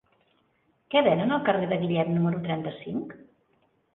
Què venen al carrer de Guillem número trenta-cinc?